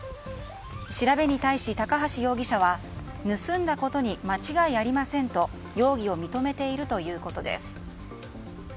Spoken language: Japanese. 調べに対し高橋容疑者は盗んだことに間違いありませんと容疑を認めているということです。